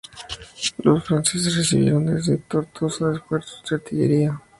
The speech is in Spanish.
Los franceses recibieron desde Tortosa refuerzos de artillería.